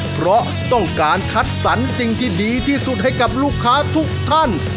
เพราะต้องการคัดสรรสิ่งที่ดีที่สุดให้กับลูกค้าทุกท่าน